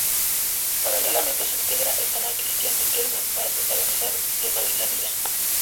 Paralelamente se integra al canal Cristián Riquelme para protagonizar Te doy la vida.